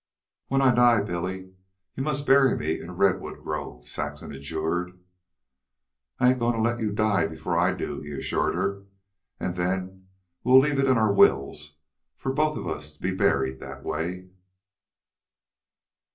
"When I die, Billy, you must bury me in a redwood grove," Saxon adjured. "I ain't goin' to let you die before I do," he assured her. "An' then we'll leave it in our wills for us both to be buried that way."